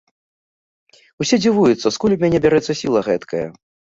Усе дзівуюцца, скуль у мяне бярэцца сіла гэткая?